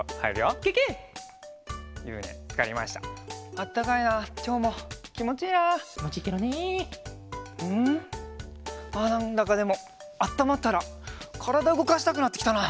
あっなんだかでもあったまったらからだうごかしたくなってきたな。